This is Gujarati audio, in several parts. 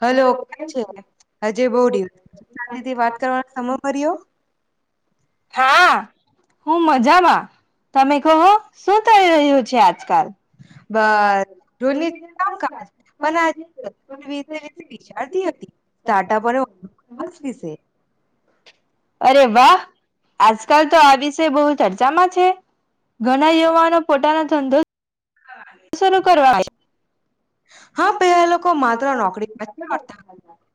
હલો કેમ છે હજય બ બહુ દિ થી વાત કરવાનો સમય મળ્યો. હા હું મજામાં. તમે કહો શું થઈ રહ્યું છે આજકાલ. [inaudible] બસ રોજની કામકાજ પણ આજ વિશે વિશે વિચારતી હતી સ્ટાર્ટઅપ અને ઉદ્યોગ વિશે અરે વાહ! આજકાલ તો આ વિષે બહુ ચર્ચામાં છે! ઘણા યુવાનો પોતાના [unintelligible] શરૂ કરવા હા, પેલા લોકો માત્ર નોકરી કરતા હતા,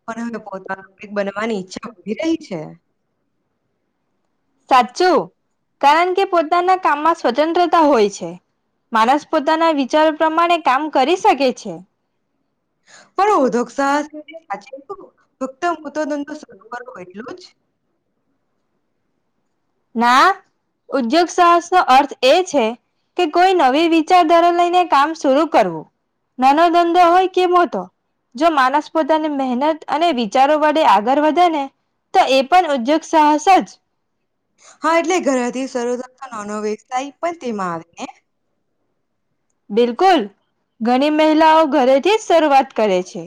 પણ હવે પોતાનો કંઈક બનવાની ઈચ્છા વધી રહી છે. સાચું કારણ કે પોતાના કામમાં સ્વતંત્ર તા હોય છે. માણસ પોતાના વિચારો પ્રમાણે કામ કરી સકે છે. પણ ઉધોગ સાહસ સાચી કહું તો ફક્ત મોટો ધંધો શરૂ કરવો એટલું જ? ના, ઉદ્યોગસાહસનો અર્થ એ છે કે કોઈ નવી વિચારધારા લઈને કામ શુરૂ કરવું. નાનો ધંધો હોય કે મોટો જો માનસ પોતાની મહેનત અને વિચારો વડે આગળ વધે ને તો એ પણ ઉદ્યોગ સાહસ જ હા એટલે ઘરેથી શરૂ થતો નાનો વ્યવસાય પણ તેમાં આવે ને! બિલકુલ ઘણી મહિલાઓ ઘ તે જ શરૂઆત કરે છે.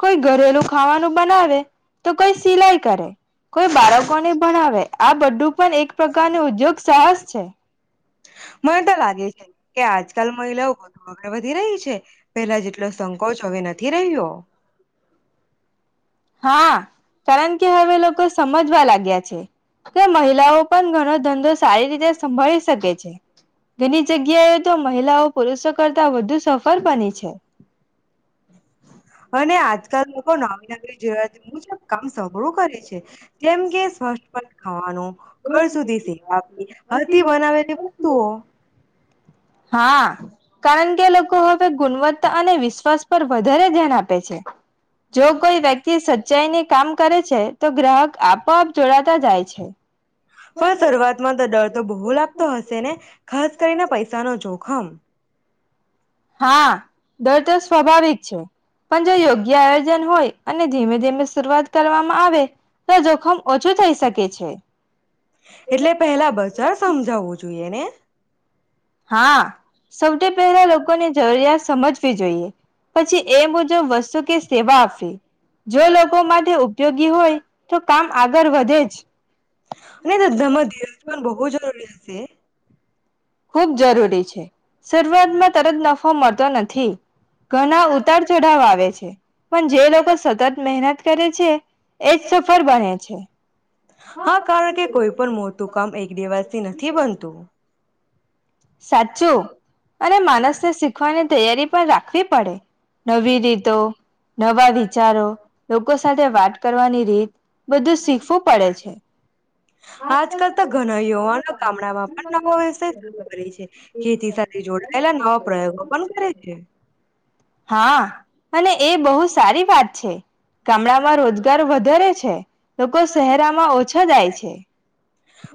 કોઈ ઘરેલું ખાવાનું બનાવે, તો કોઈ સિલાઈ કરે, કોઈ બાળકોને ભણાવે, આ બધું પણ એક પ્રકાર નું ઉદ્યોગ સાહસ છે. મને તો લાગે છે કે આજકાલ મહિલાઓ વધુ આગળ વધી રહી છે પેલા જેટલો સંકોચ હવે નથી રહ્યો. હા કારણ કે હવે લોકો સમજવા લાગ્યા છે. તે મહિલાઓ પણ ઘણો ધંધો સારી રીતે સંભાળી શકે છે. ઘણી જગ્યાએ તો મહિલાઓ પુરુષો કરતા વધુ સફળ બની છે. અને આજ તો લોકો નવી નવી [inaudible] મુજબ કામ સઘળું કરે છે, જેમ કે [inaudible] ખવાનું ઘર સુધી સેવા આપવી, હથથી બનાવેલી વસ્તુઓ હા કારણ કે લોકો હવે ગુણવત્તા અને વિશ્વાસ પર વધારે ધ્યાન આપે છે. જો કોઈ વ્યક્તિ સચ્ચાઈ ને કામ કરે છે તો ગ્રાહક આપોઆપ જોડાતા જાય છે. પણ શરૂઆતમાં તો ડર તો બહુ લાગતો હશે ને? ખાસ કરીને પૈસા નો જોખમ. હા. ડર તો સ્વાભાવિક છે પણ જો યોગ્ય આયોજન હોય અને ધીમે ધીમે શરૂઆત કરવામાં આવે તો જોખમ ઓછું થઈ શકે છે. [inaudible] એટલે પહેલા બજાર સમજાવવું જોઈએ ને હા સૌથી પહેલા લોકોની જરૂરિયાત સમજ વી જોઈએ. પછી એ મુજબ વસ્તુ કે સેવા આપવી જો લોકો માટે ઉપયોગી હોય તો કામ આગળ વધે જ. [inaudible] અને ધંધામાં ધીરજ પણ બહુ જરૂરી હશે ખુબ જરૂરી છે, શરૂઆતમાં તરત નફો મળતો નથી. ઘણા ઉતાર ચઢાવ આવે છે, પણ જે લોકો સતત મહેનત કરે છે, એજ સફળ બને છે. [inaudible] હા કારણ કે કોઈ પણ મોટું કામ એક દિવસથી નથી બનતું સાચું અને માણસને શીખવાની તૈયારી પણ રાખવી પડે. નવી રીતો નવા વિચારો લોકો સાથે વાત કરવાની રીત બધું શીખવું પડે છે. આજકાલ તો ઘણા યુવાનો ગામડામાં પણ નવો વ્યવસાય શરૂ કરે છે, ખેતી સાથે જોડાયેલા નવા પ્રયોગો પણ કરે છે. હા અને એ બહુ સારી વાત છે. ગામડામાં રોજગાર વધારે છે, લોકો શહેરામાં ઓછા જાય છે.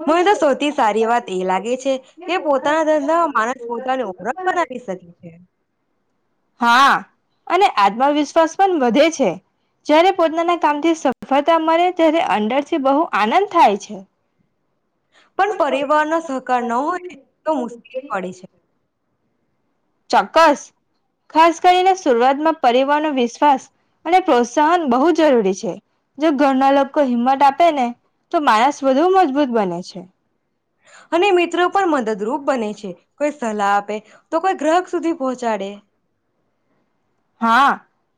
મને તો સૌથી સારી વાત એ લાગે છે, કે પોતાના ધંધામાં માણસ પોતાની ઓરખ બનાવી શકે છે. હા અને આત્મવિશ્વાસ પણ વધે છે. છે. જયારે પોતાના કામથી સફળતા મળે ત્યારે અંંદર થી બહુ આનંદ થાય છે. પણ પરિવારનો સહકાર ન હોય તો મુશ્કેલી પડે છે. ચોક્કસ. ખાસ કરીને શરૂઆતમાં પરિવાર ન વિશ્વાસ અને પ્રોત્સાહન બહુ જરૂરી છે, જો ઘરના લોકો હિંમત આપે ને તો માણસ વધુ મજબૂત બને છે. અને મિત્રો પણ મદદરૂપ બને છે, કોઈ સલાહ આપે તો કોઈ ગ્રાહક સુધી પહોંચાડે. હા,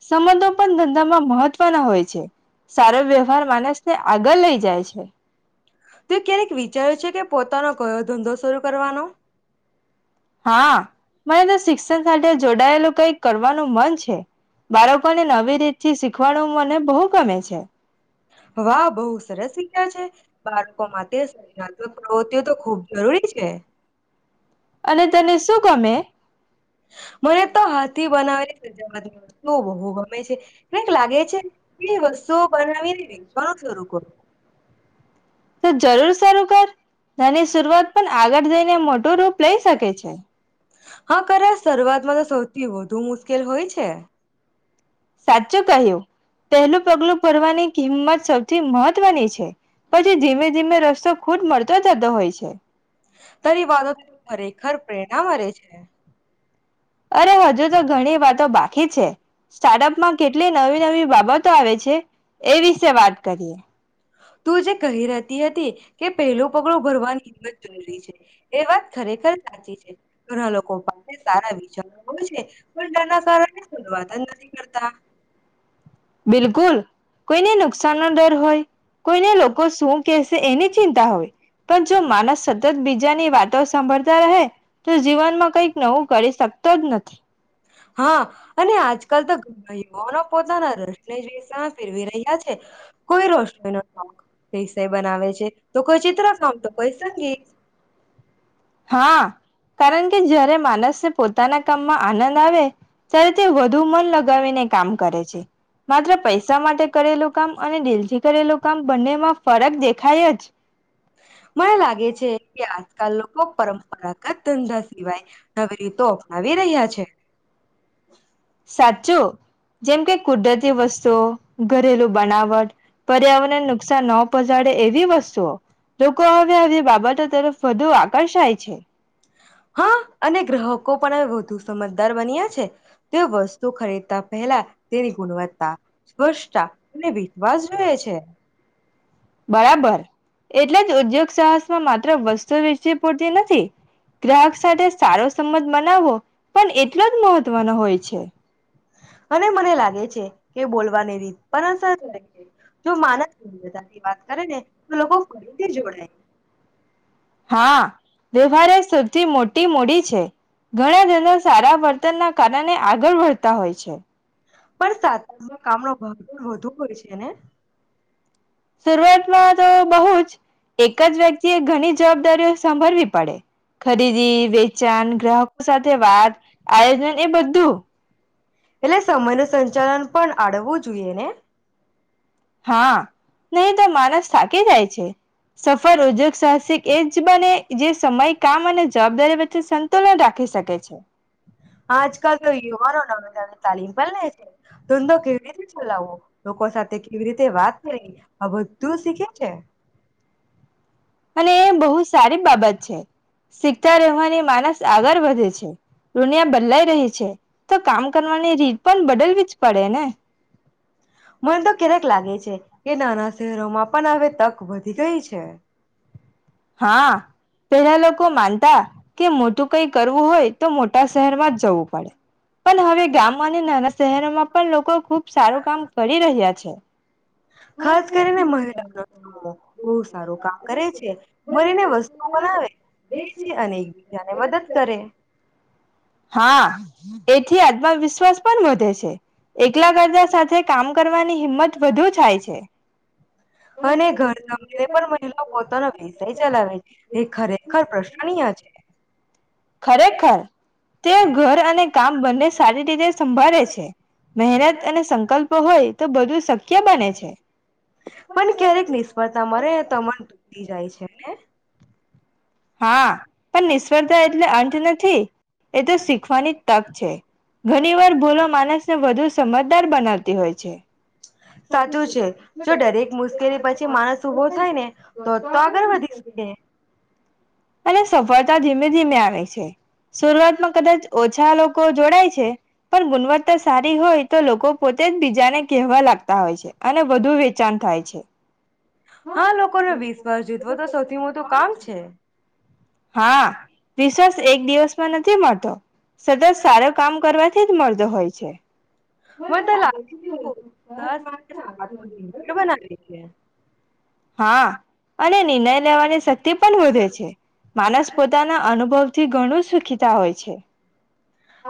સંબંધો પણ ધંધામાં મહત્વ [unintelligible] હોય છે, સારો વ્યવહાર માણસ ને આગળ લઈ જાય છે. તો ક્યારેક વિચાર્યું છે, કે પોતાનો કયો ધંધો સરૂ કરવાનો? હા, મને તો સિકસણ સાથે જોડાયેલું કઈક કરવાનું મન છે, બાળકોને નવી રીતથી સિખવાડું મને બહુ ગમે છે. વાહ બહુ સરસ વિચાર છે, બાળકો માટે સ [unintelligible] પ્રવૃતિઓ તો ખૂબ જરૂરી છે. અને તને સું ગમે? મને તો [unintelligible] હાથથી બનાવેલી તો સજાવટની વસ્તુઓ બહુ જરૂર ગમે છે કંઈક લાગે શરૂ છે કે કર. વસ્તુઓ બનાવીને નાની વેચવાનું શરૂ કરું સૂરુઆત પણ આગળ જઈને મોટો [unintelligible] ઈ શકે છે. હા કરાય, સરૂઆતમાં તો સૌથી વધુ મુસ્કેલ હોય છે. સાચો કહ્યું, પહેલું પગલું ભરવાની કિંમત સૌથી મહ ત્વ ની છે. પછી ધીમે ધીમે રસ્તો ખુદ મળતો જતો હોય છે! તારી વાતો ખરેખર પ્રેરણા મળે છે [unintelligible] અરે, હજુ તો ઘણી વાતો બાકી છે. સ્ટાર્ટઅપ માં કેટલી નવીનવી બાબત તો આવે છે? એ વિશે વાત કરીએ. તું જે કહી રતી હતી. કે પહેલું પગલુ ભરવાની હિંમત જરૂરી છે. એ વાત ખરેખર સાચી છે. ઘણા લોકો પાસે સારા વિચાર છે, પોતાના સારા વાત નથી કરતા. બિલકુલ. કોઈને નુકસાન નો દર હોય. કોઈને લોકો શું કેશે એની ચિંતા હોય, પણ જો માનસ સતત બીજાની વાતો સાંભળતા રહે, તો જીવનમાં કંઈક નવું કરી સકતો જ નથી. હા, અને આજકાલ તો ઘણા યુવાનો પોતાના રશને [unintelligible] માં ફેરવી રહ્યા છે, કોઈ ર [unintelligible] એષય બનાવે છે. તો કોઈ ચિત્રકામ તો કોઈ સંગીત. હા, કારણ કે જ્યારે માનસે પોતાના કામમાં આનંદ આવે ત્યારે તે વધુ મન લગાવીને કામ કરે છે. માત્ર પૈસા માટે કરેલું કામ અને દિલથી કરેલું કામ બંનેમાં ફરક દેખાય જ. મને લાગે છે કે આજકાલ લોકો પરં પરાગત ધંધા સિવાય, નવી રીતો અપનાવી રહ્યા છે. સાચો. જેમ કે કુદરતી વસ્તુ સો. ઘરેલું બનાવટ પર્યાવરણને નુકસાન ન પહોંચાડે એવી વસ્તુઓ. લોકો હવે હવે બાબતો તરફ વધુ આકર્ષાય છે. હા અને ગ્રાહકો પણ વધુ સમજદાર બન્યા છે તેઓ વસ્તુ ખરીદતા પહેલા તેની ગુણવત્તા સ્પષ્ટતા અને વિશ્વાસ જોએ છે. સમાજ. માત્રા વસ્ત્ર વાચી પૂરતી નથી. છે. ગ્રાહક સાથે સારો સંબંધ બને બનાવો પણ એટલો જ મહત્વનો હોય છે. હા અને મને લાગે કે છે જો કોઈ બોલવાની સાથે રીત પર અસર થાય છે. જો માણસ પ્રેમથી વધારે વાત કરે ને તો લોકો માણસ ફરીથી જોડાઈ. જોડાય હા વ્યવહાર એ સૌથી મોટી મુડી છે ઘણા જનો સારા વર્તનના કારણે આગળ વધતા હોય છે. પણ સાત કામનો [inaudible] ભગ [inaudible] વધુ કરે છેને શરૂઆતમાં તો બહુજ એક જ વ્યક્તિ એ ધણી જવાબદારીઓ સાંભળવી પડે ખરીદી વેચાણ ગ્રાહકો સાથે વાત [inaudible] એટલે સમયનું સંચાલન પણ આડવવું જોઈએ ને હા, નહી તો માણસ થાકી જાય છે. સફર ઉદ્યોગ સાહસિક એજ બને જે સમય કામ અને જવાબદારી વચ્ચે સંતુલન રાખી શકે છે. આજકાલ તો યુવાનો નવી ન [unintelligible] તાલીમ પણ લે છે ધંધો કેવી રીતે ચલાવો લોકો સાથે કે કેવી રીતે વાત કરી આ બધું શીખે છે. અને બહુ સારી બાબત છે. શીખતા રહેવાની માણસ આગળ વધે છે દુનિયા બદલાઈ રહી છે તો કામ કરવાની રીત પણ બદલવી જ પડે ને. મન તો ક્યારેક લાગે છે કે નાના શહેરોમાં પણ હવે તક વધી ગઈ છે. હા પેહલા લોકો માનતા કે મોટું કઈ કરવું હોય તો મોટા શહેરમાં જ જવું પડે. પન હવે ગામ અને નાના શહેરોમાં પણ લોકો ખુબ સારું કામ કરી રહ્યા છે. ખાસ કરીને મહિલા [inaudible] બહુ સારું કામ કરે છે. મનેને વસ્તુઓ બનાવે, વેચે અને એકબીજાને મદદ કરે. હા એથી આત્મવિશ્વાસ પણ વધે છે. એકલા એટલા કરતા સાથે કામ કરવાની હિંમત વધુ થાય છે [inaudible] અને ઘરકામ [unintelligible] પણ મહિલા પોતાનો વિષય ચલાવે છે તે ખરેખર પ્રશ્નીય છે. ખરેખર તેઓ ઘર અને કામ બંને સારી રીતે સંભાળે છે મહેનત અને સંકલ્પો હોય તો બધું શક્ય બને છે. પણ ક્યારેક નિષ્ફળતા મળે તો મન તૂટી જાય છે ને હા પણ નિષ્ફળતા એટલે અંત નથી એતો શીખવાની તક છે ઘણી વાર ભૂલો માનસને વધુ સમજદાર બનાવતી હોય છે. સાચું છે જો દરેક મુશ્કેલી પછી માણસ ઉભો થાય ને તોજ તો આગળ વધી શકે. અને સફળતા ધીમે ધીમે આવે છે. શરૂઆતમાં કદાચ ઓછા લોકો કો જોડાય છે. પણ ગુણવત્તા સારી હોય તો લોકો પોતે જ બીજાને કહેવા લાગતા હોય છે, અને વધુ વેચાણ થાય છે. હા લોકોને વિશ્વાસ જીતવો તો સૌથી મોટું કામ છે. તેમાં તો સતત સારું કામ કરવાથી [unintelligible] મડતો હોય છે. મને તો લાગે [unintelligible] બનાવે છે. હા અને નિર્ણય લેવાની શક્તિ પણ વધે છે, માણસ પોતાના અનુભવથી ઘણું સુખીતા હોય છે.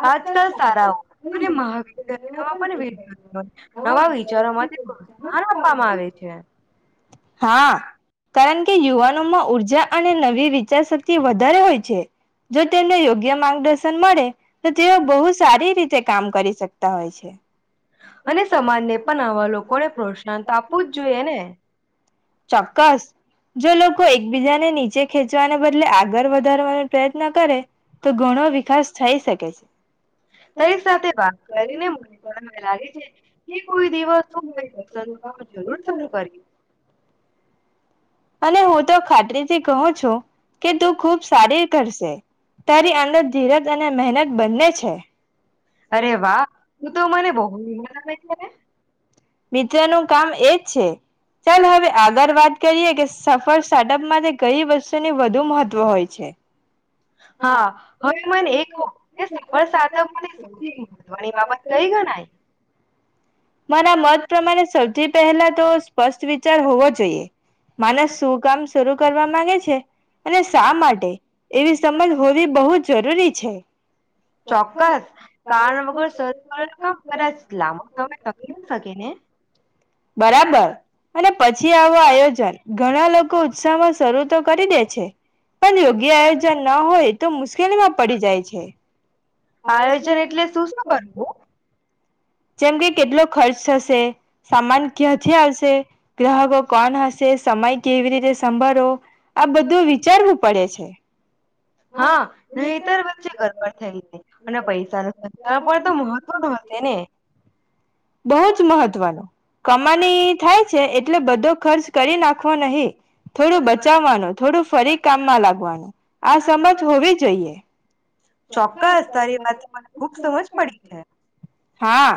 આજકાલ શાળાઓમાં અને મહાવિદ્યાલય માં પણ [unintelligible] નવા વિચારો માટે પ્રોત્સાહન આપવામાં આવે છે. હા કારણ કે યુવાનોમાં ઉર્જા અને નવી વિચારશક્તિ વધારે હોય છે. જો તેમ યોગ્ય માંગ દર્શન મળે તો તેઓ બહુ સારી રીતે કામ કરી શકતા હોય છે. અને સમજે પણ આવા લોકોને પ્રોત્સાહન તો આપવું જોઈએ ને. ચોક્કસ જો લોકો એકબીજાને ની ખેંચવાને બદલે આગળ વધ [unintelligible] પ્રયત્ન કરે તો ઘણો વિકાસ થઈ શકે છે. તારી સાથે વાત કરી મને એવું લાગે છે કે કોઈ દિવસ [unintelligible] કામ જરૂર શરૂ કરી અને હું તો ખાતરીથી કહું છું, કે તું ખૂબ સારી કરશે, તારી અંદર ધીરજ અને મહેનત બંને છે. [inaudible] અરે વાહ તું તો મને બહુ હિંમત આપે છે ને મિત્ર નું કામ એજ છે. ચાલ હવે આગળ વાત કરીએ કે સફળ સ્ટાર્ટ અપ માટે કંઈ તને વધુ મહત્વ હોય છે. હા હવે મને એ કહો, સફળ સ્ટાર્ટ અપ માટે સૌથી મહત્વની બાબત કઈ ગણાય. મારા મત પ્રમાણે સૌથી પહેલા તો સ્પષ્ટ વિચાર હોવો જોઈએ માણસ શું કામ શરૂ કરવા માંગે છે, અને શા માટે? એવી સમજ હોવી બહુ જ જરૂરી છે. ચોક્કસ કારણ વગર સહકાર [inaudible] શકે ને. બરાબર અને પછી આવો આયોજન ઘણા લોક કો ઉત્સાહમાં શરૂ તો કરી દે છે પણ યોગ્ય આયોજન ના હોય તો મુશ્કેલીમાં પડી જાય છે. આયોજન એટલે શું શું કરવું. જેમ કે કેટલો ખર્ચ થશે. સામાન ક્યાથી આવશે, ગ્રાહકો કોણ હશે, સમય કેવી રીતે સંબરો આ બધું વિચારવું પડે છે. હા નયતર વચ્ચે ગડબડ થઈ જાય અને પૈસા ન સંચાલન પણ તો મહત્વ ન હશે ને. બહુ જ મહત્વનો. કમાની થાય છે એટલે બધો ખર્ચ કરી નાખવો નહીં થોડું બચાવવાનું થોડું ફરી કામમાં લાગવાનું આ સમજ હોવી જોઈએ. ચોક્કસ તારી વાત મને ખુબ સમજ પડી છે. હા